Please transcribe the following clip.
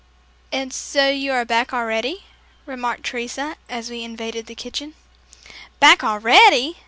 "And so you are back already," remarked Teresa as we invaded the kitchen. "Back already!"